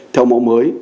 theo mẫu mới